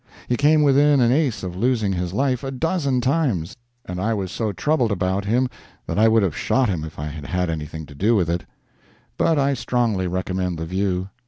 He came within an ace of losing his life a dozen times, and I was so troubled about him that I would have shot him if I had had anything to do it with. But I strongly recommend the view.